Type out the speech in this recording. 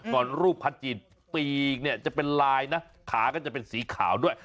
รูปพัดจีนปีกเนี่ยจะเป็นลายนะขาก็จะเป็นสีขาวด้วย